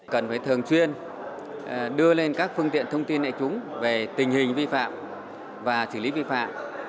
cần phải thường chuyên đưa lên các phương tiện thông tin đại chúng về tình hình vi phạm và xử lý vi phạm